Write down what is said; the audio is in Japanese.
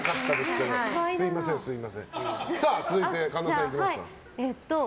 続いて神田さんいきますか。